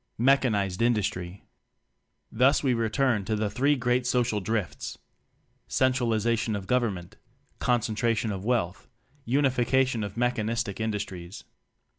Mechanized Industry. Thus we return to the three great social drifts: Centralization of Government; Concentration of Wealth; Unification of Mechanistic Indus tries..